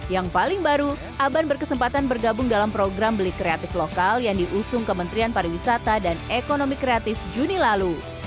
yang paling baru aban berkesempatan bergabung dalam program beli kreatif lokal yang diusung kementerian pariwisata dan ekonomi kreatif juni lalu